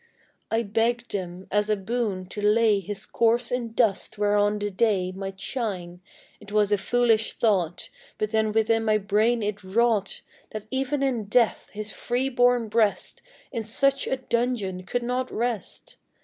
I begged them, as a boon, to lay His corse in dust whereon the day Might shine, it was a foolish thought, But then within my brain it wrought, That even in death his free born breast In such a dungeon could not rest.